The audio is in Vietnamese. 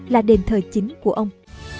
là đền thờ chính của ông